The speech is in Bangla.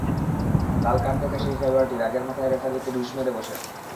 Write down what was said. লাল কার্ড দেখা সেই খেলোয়াড়টি রাগের মাথায় রেফারিকে ঢুস মেরে বসেন।